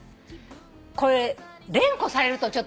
これ連呼されるとちょっと。